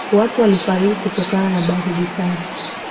watu walifariki kutokana na baridi kali